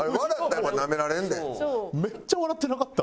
めっちゃ笑ってなかった？